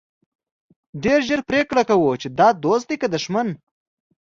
ډېر ژر پرېکړه کوو چې دا دوست دی که دښمن.